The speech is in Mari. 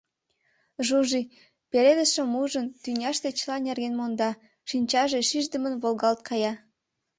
Жужи, пеледышым ужын, тӱняште чыла нерген монда, шинчаже шиждымын волгалт кая.